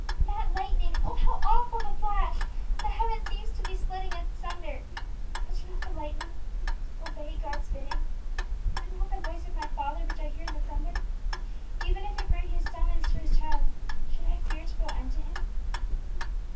"That lightning! oh, how awful the flash! The heavens seem to be splitting asunder! But do not the lightnings obey God's bidding? Is it not the voice of my Father which I hear in the thunder? Even if it bring His summons to His child, should I fear to go unto Him?"